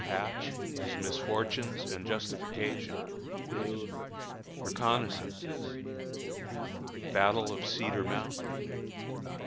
Hatch, his Misfortunes and Justification. Reconnoissances. Battle of Cedar Mountain.